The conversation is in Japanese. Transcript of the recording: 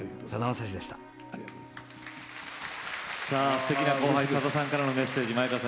すてきな後輩さださんからのメッセージ前川さん